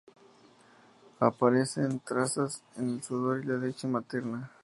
Aparecen trazas en el sudor y la leche materna.